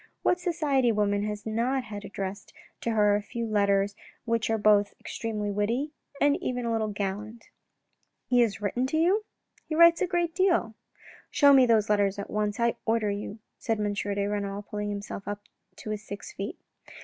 What society woman has not had addressed to her a few letters which were both extremely witty and even a little gallant ?"" He has written to you ?"" He writes a great deal." " Show me those letters at once, I order you," and M. de Renal pulled himself up to his six feet.